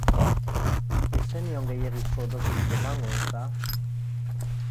Ez zenion gehiegizko dosirik emango, ezta?